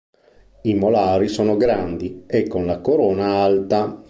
I molari sono grandi e con la corona alta.